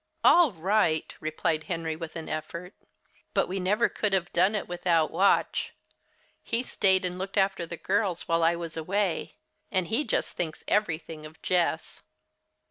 "All right," replied Henry, with an effort. "But we never could have done it without Watch. He stayed and looked after the girls while I was away, and he just thinks everything of Jess."